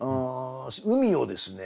海をですね